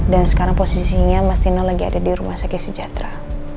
dan sekarang posisinya mas tino lagi ada di rumah sake sejatra